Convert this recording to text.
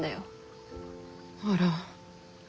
あら。